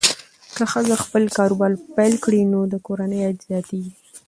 که ښځه خپل کاروبار پیل کړي، نو د کورنۍ عاید زیاتېږي.